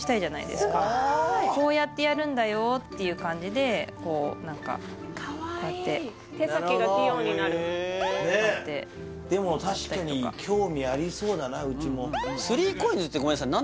すごーいこうやってやるんだよていう感じでこう何かこうやって手先が器用になるなるほどでも確かに興味ありそうだなうちも３ＣＯＩＮＳってごめんなさいな